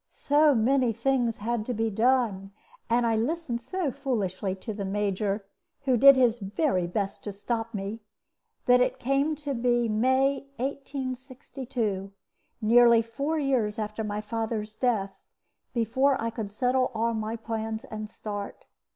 So many things had to be done, and I listened so foolishly to the Major (who did his very best to stop me), that it came to be May, 1862 (nearly four years after my father's death), before I could settle all my plans and start.